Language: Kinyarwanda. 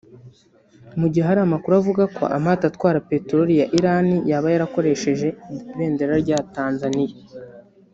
Mu gihe hari amakuru avuga ko amato atwara peteroli ya Iran yaba yarakoresheje ibendera rya Tanzaniya